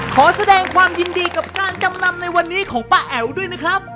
ขอแสดงความยินดีกับการจำนำในวันนี้ของป้าแอ๋วด้วยนะครับ